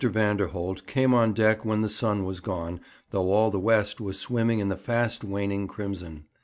Vanderholt came on deck when the sun was gone, though all the west was swimming in the fast waning crimson.